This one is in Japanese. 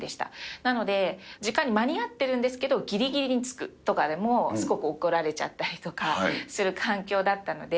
なので、時間に間に合ってるんですけど、ぎりぎりに着くとかでも、すごく怒られちゃったりとかする環境だったので。